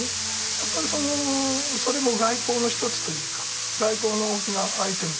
やっぱりそれも外交の一つというか外交の大きなアイテムというかね